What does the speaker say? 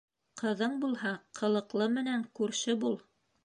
Ҡыҙың булһа, ҡылыҡлы менән күрше бул.